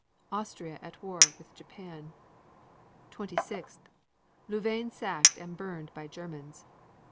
Austria at war with Japan. 26. Louvain sacked and burned by Germans.